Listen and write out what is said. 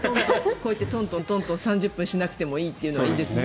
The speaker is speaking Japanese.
こうやってトントン３０分しなくてもいいということですね。